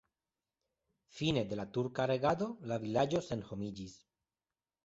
Fine de la turka regado la vilaĝo senhomiĝis.